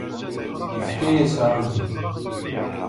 Yefka-yas aɛudiw.